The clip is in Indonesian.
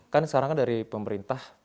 kan sekarang dari pemerintah